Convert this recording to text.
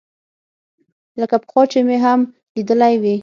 لکه پخوا چې مې هم ليدلى وي.